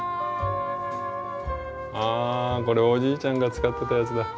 あこれおじいちゃんが使ってたやつだ。